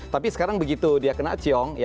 tapi sekarang begitu dia kena ciong